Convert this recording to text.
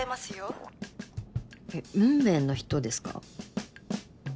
えっ運命の人ですか？